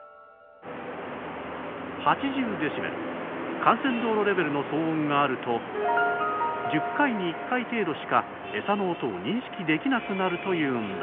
デシベル幹線道路レベルの騒音があると１０回に１回程度しかエサの音を認識できなくなるというんだ。